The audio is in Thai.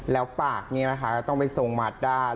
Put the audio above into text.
แล้วปากนี้นะคะต้องไปทรงมัดด้าน